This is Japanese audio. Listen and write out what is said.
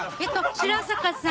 白坂さん。